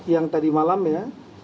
yang tadi malam ya